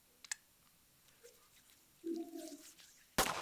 It was likely named for Chief Mahaska.